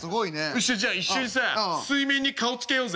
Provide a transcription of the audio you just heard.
よしじゃあ一緒にさ水面に顔つけようぜ。